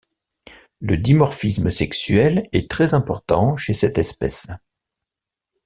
Le dimorphisme sexuel est très important chez cette espèce.